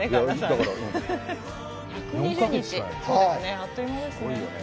あっという間ですよね。